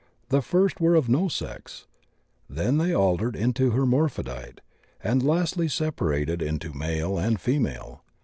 The first were of no sex, then they altered into hermaphrodite, and lastly separated into male and female.